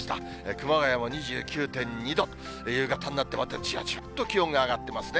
熊谷も２９．２度と、夕方になってまたじわじわっと気温が上がってますね。